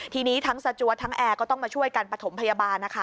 ทีนี้ทั้งสจวดทั้งแอร์ก็ต้องมาช่วยกันประถมพยาบาลนะคะ